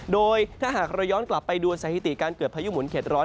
โดยถ้าหากเราย้อนกลับไปดูสถิติการเกิดพายุหมุนเข็ดร้อน